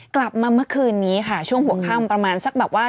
กลับมาเมื่อคืนนี้ค่ะช่วงหัวค่ำประมาณสักแบบว่า